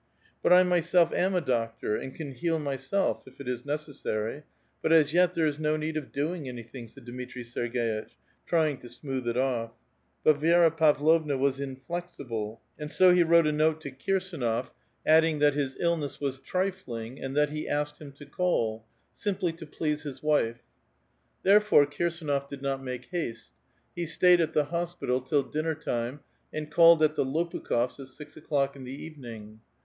But I myself am a doctor, and can heal myself, if it is '^^pessary ; but, as yet, there is no need of doing anything," ?J*^ Dmitri Ser^^itch, trying to smooth it off. But Vi^ra "*vlovna was inflexible, and so he wrote a note to K\rs4.iiot^ 192 A VITAL QUESTION. adding that his illness was trifling, and that he asked him to call, simply to please his wife. Theix'fore, Kirsdnof did not make haste ; he stayed at the hospital till dinner time, and called at the Lopukh6fs at six o'clock in the evening.